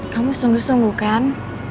kamu sungguh sungguh kan